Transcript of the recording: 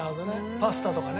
パスタとかね。